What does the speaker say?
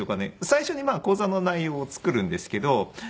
最初に講座の内容を作るんですけど。